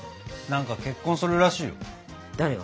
何か結婚するらしいよ。